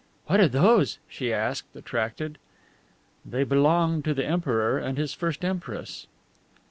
"What are those?" she asked, attracted. "They belonged to the Emperor and his first Empress."